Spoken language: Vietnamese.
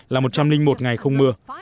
là một trăm linh một ngày không mưa